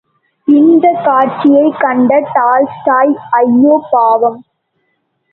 இந்தக் காட்சியைக் கண்ட டால்ஸ்டாய் ஐயோ பாவம்!